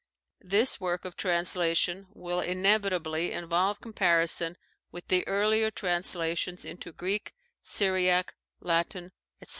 This work of translation will inevitably involve comparison with the earlier translations into Greek, Syriac, Latin, etc.